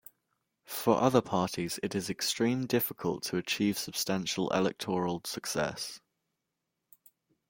For other parties it is extreme difficult to achieve substantial electoral success.